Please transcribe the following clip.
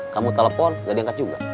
kamu telepon gak diangkat juga